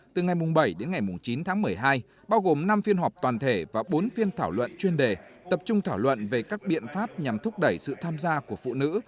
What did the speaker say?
từ ngày bảy đến ngày chín tháng một mươi hai bao gồm năm phiên họp toàn thể và bốn phiên thảo luận chuyên đề tập trung thảo luận về các biện pháp nhằm thúc đẩy sự tham gia của phụ nữ